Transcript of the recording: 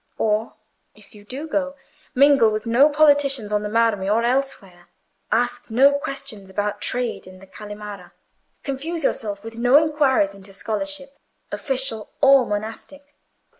Or, if you go, mingle with no politicians on the marmi, or elsewhere; ask no questions about trade in the Calimara; confuse yourself with no inquiries into scholarship, official or monastic.